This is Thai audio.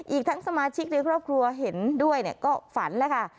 อีกทั้งสมาชิกในครอบครัวเห็นด้วยก็ฝันแล้วค่ะ